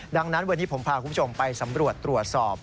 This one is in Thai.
ดังนั้นวันนี้ผมพาคุณผู้ชมไปสำรวจตรวจสอบ